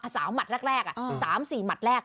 สาวหมัดแรก๓๔หมัดแรก